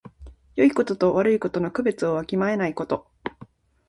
よいことと悪いことの区別をわきまえないこと。